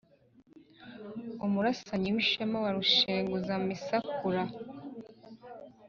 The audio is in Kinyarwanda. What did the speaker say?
umurasanyi w' ishema wa rushenguzamisakura